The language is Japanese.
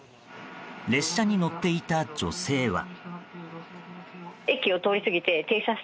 列車に乗っていた女性は。